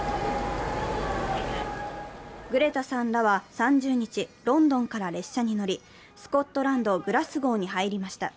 グレタさんらは３０日、ロンドンから列車に乗り、スコットランド・グラスゴーに入りました。